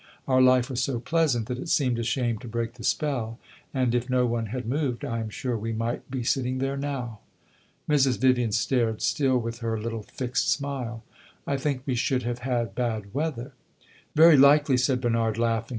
Our life was so pleasant that it seemed a shame to break the spell, and if no one had moved I am sure we might be sitting there now." Mrs. Vivian stared, still with her little fixed smile. "I think we should have had bad weather." "Very likely," said Bernard, laughing.